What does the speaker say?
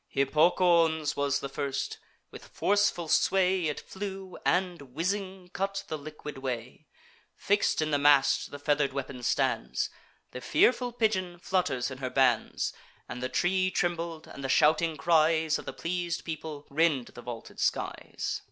Hippocoon's was the first: with forceful sway It flew, and, whizzing, cut the liquid way. Fix'd in the mast the feather'd weapon stands: The fearful pigeon flutters in her bands, And the tree trembled, and the shouting cries Of the pleas'd people rend the vaulted skies.